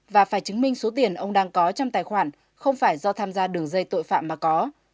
và phải chứng minh số tiền ông đang có trong tài khoản không phải do tham gia đường dây tội phạm mà có